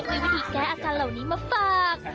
วันนี้มีวิธีแก้อสารเหล่านี้มาฝาก